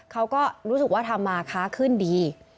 เขาก็รู้สึกว่าทำมาค้าขึ้นดี